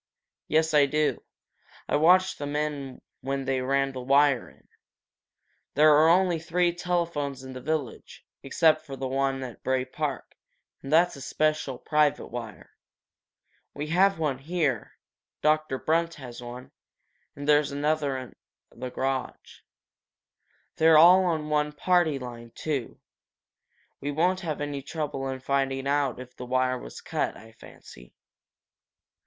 "Yes, I do," said Jack. "I watched the men when they ran the wire in. There are only three telephones in the village, except for the one at Bray Park, and that's a special, private wire. We have one here, Doctor Brunt has one, and there's another in the garage. They're all on one party line, too. We won't have any trouble in finding out if the wire was cut, I fancy."